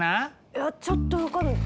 いやちょっと分かんない。